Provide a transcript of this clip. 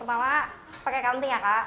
ini pertama pakai counting ya kak